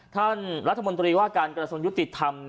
ท่านรัฐมนตรีว่าการกระทรวงยุติธรรม